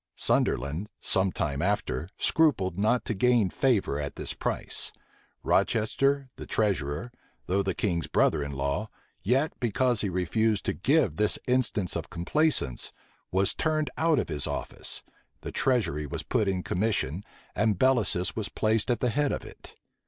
Sunderland, some time after, scrupled not to gain favor at this price, Rochester the treasurer, though the king's brother in law, yet, because he refused to give this instance of complaisance, was turned out of his office; the treasury was put in commission, and Bellasis was placed at the head of it.